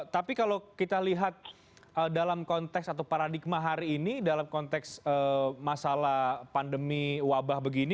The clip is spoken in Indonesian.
tapi kalau kita lihat dalam konteks atau paradigma hari ini dalam konteks masalah pandemi wabah begini